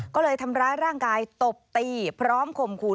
ก็เลยทำร้ายร่างกายตบตีพร้อมข่มขู่